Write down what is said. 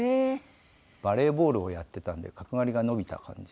バレーボールをやってたんで角刈りが伸びた感じで。